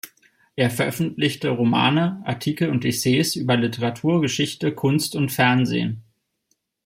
Er veröffentlicht Romane, Artikel und Essays über Literatur, Geschichte, Kunst und Fernsehen.